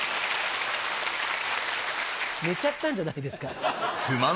寝ちゃったんじゃないですか？